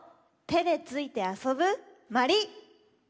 てでついてあそぶ「まり」。